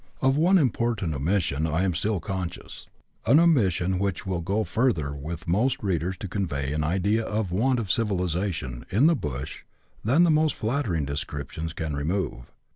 Of one important omission lam still conscious — an omission which will go further with most readers to convey an idea of want of civilization in " the bush " than the most flattering de scriptions can remove.